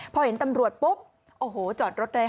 พอเห็นตำรวจปุ๊บโอ้โหจอดรถเลยค่ะ